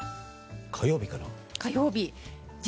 火曜日かな？